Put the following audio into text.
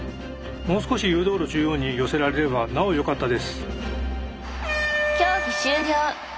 もう少し誘導路中央に寄せられればなおよかったです。